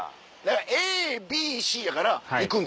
ＡＢＣやから行くんですよ。